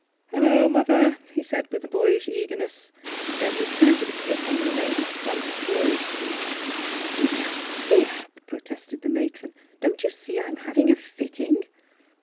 " Hello, mother," he said with boyish eagerness. Then he planted a kiss on the lady's plump florid cheek. " Oh, my dear !" protested the matron. " Don't you see I'm having a fitting?